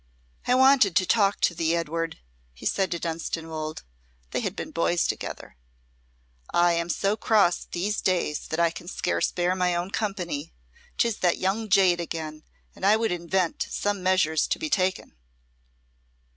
"I wanted to talk to thee, Edward," he said to Dunstanwolde (they had been boys together). "I am so crossed these days that I can scarce bear my own company. 'Tis that young jade again, and I would invent some measures to be taken."